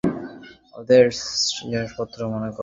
ওদের স্রেফ জিনিসপত্র মনে করো।